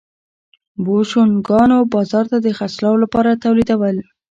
بوشونګانو بازار ته د خرڅلاو لپاره تولیدول.